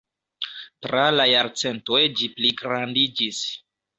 Tra la jarcentoj ĝi pligrandiĝis.